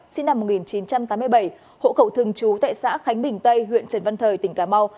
sinh năm một nghìn chín trăm tám mươi bảy hộ khẩu thường trú tại xã khánh bình tây huyện trần văn thời tỉnh cà mau